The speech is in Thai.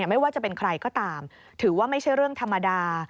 ไม่ว่าจะเป็นใครก็ตามถือว่าไม่ใช่เรื่องธรรมดา